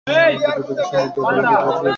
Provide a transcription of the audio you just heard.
বিদ্যুদ্বেগে সে নিদ্রিত প্রহরীর উপর গিয়া পড়িলেন।